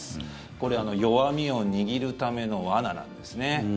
これ、弱みを握るための罠なんですね。